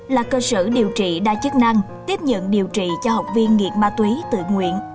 là cơ sở điều trị đa chức năng tiếp nhận điều trị cho học viên nghiện ma túy tự nguyện